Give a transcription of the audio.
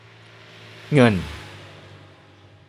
เงิน